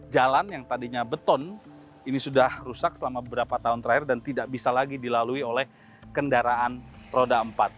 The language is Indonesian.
jalan yang tadinya beton ini sudah rusak selama beberapa tahun terakhir dan tidak bisa lagi dilalui oleh kendaraan roda empat